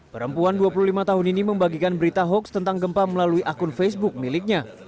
perempuan dua puluh lima tahun ini membagikan berita hoax tentang gempa melalui akun facebook miliknya